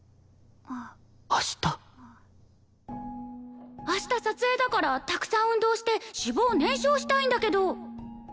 明日明日撮影だからたくさん運動して脂肪を燃焼したいんだけど。